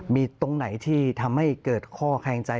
มีตรงไหนที่ทำให้เกิดข้อแคลงใจ